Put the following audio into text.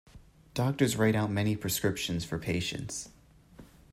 Doctors write out many prescriptions for patients